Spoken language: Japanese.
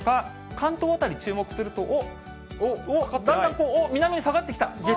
関東辺り注目すると、おっ、だんだん、南に下がってきた。